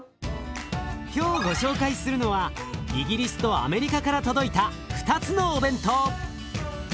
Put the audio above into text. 今日ご紹介するのはイギリスとアメリカから届いた２つのお弁当。